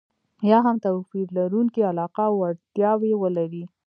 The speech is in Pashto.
یا هم توپير لرونکې علاقه او اړتياوې ولري.